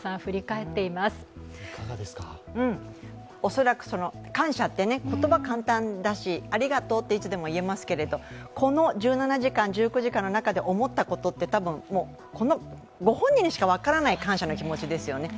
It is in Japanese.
恐らく感謝って、言葉は簡単だしありがとうっていつでも言えますけど、この１７時間、１９時間の中で思ったことって多分、ご本人にしか分からない感謝の気持ちですよね。